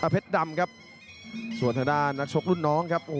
เพชรดำครับส่วนทางด้านนักชกรุ่นน้องครับ